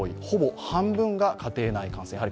ほぼ半分が家庭内感染。